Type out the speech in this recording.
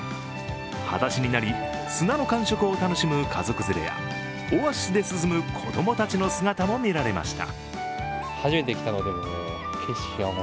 はだしになり、砂の感触を楽しむ家族連れやオアシスで涼む子供たちの姿も見られました。